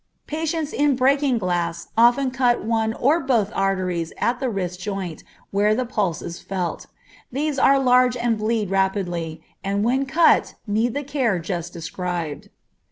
Patients in breaking glass often cut one or both arteries at the wrist joint where the pulse is felt. These are large and bleed rapidly, and when cut need the care just described.